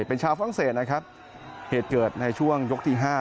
เป็นชาวฝรั่งเศสนะครับเหตุเกิดในช่วงยกที่๕